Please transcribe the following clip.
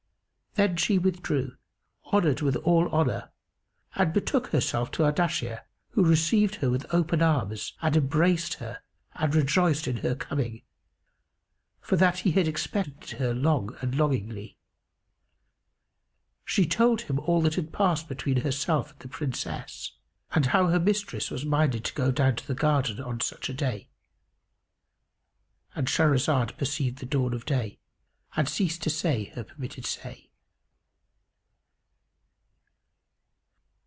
Then she withdrew, honoured with all honour and betook herself to Ardashir, who received her with open arms and embraced her and rejoiced in her coming, for that he had expected her long and longingly. She told him all that had passed between herself and the Princess and how her mistress was minded to go down into the garden on such a day.——And Shahrazad perceived the dawn of day and ceased to say her permitted say.